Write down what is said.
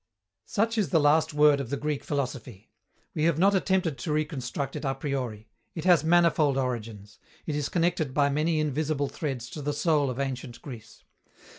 Such is the last word of the Greek philosophy. We have not attempted to reconstruct it a priori. It has manifold origins. It is connected by many invisible threads to the soul of ancient Greece.